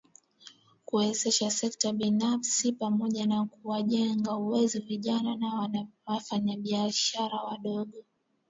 Kuwezesha sekta binafsi pamoja na kuwajengea uwezo vijana na wafanyabishara wadogo